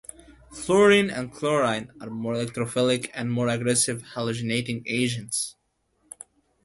Fluorine and chlorine are more electrophilic and are more aggressive halogenating agents.